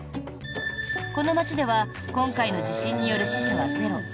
この街では今回の地震による死者はゼロ。